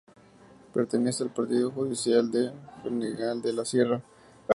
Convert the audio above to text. Pertenece al partido judicial de Fregenal de la Sierra.